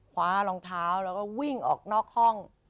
คว้ารองเท้าแล้วก็วิ่งออกนอกห้อง